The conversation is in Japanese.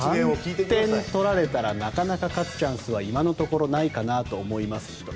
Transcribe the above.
３点取られたらなかなか勝つチャンスは今のところないかなと思いますしと。